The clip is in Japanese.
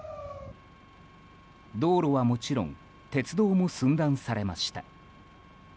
道路はもちろん鉄道も寸断されました。